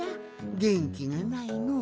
げんきがないのう。